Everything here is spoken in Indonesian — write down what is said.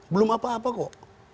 belum apa apa kok